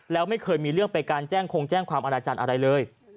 แล้วไม่เคยมีเรื่องไปการแจ้งคงแจ้งความอาณาจารย์อะไรเลย